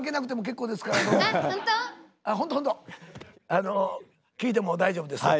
あの聞いても大丈夫ですよ。